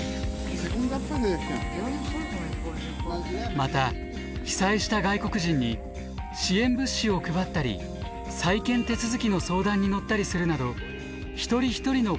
また被災した外国人に支援物資を配ったり再建手続きの相談に乗ったりするなど一人一人の困り事に対応しました。